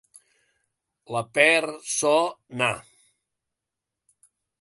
La per, so, na.